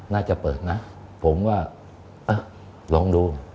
น่าจะเปิดนะผมก็ลองดู